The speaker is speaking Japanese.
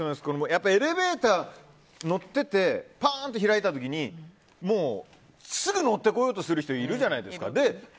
やっぱりエレベーター乗っててぱーんと開いた時にすぐ乗ってこようとする人いるじゃないですか。